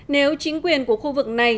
nếu chính quyền của khu vực này